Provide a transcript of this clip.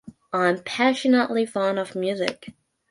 I am passionately fond of music.